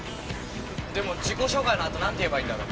でも自己紹介の後何て言えばいいんだろ。